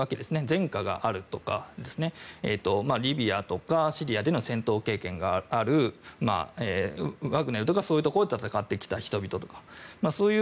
前科があるとかリビアとかシリアでの戦闘経験があるワグネルとかそういうところで戦ってきた人々とか。